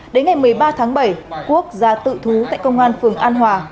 đến ngày một mươi ba tháng bảy quốc ra tự thú tại công an phường an hòa